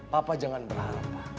papa jangan berharap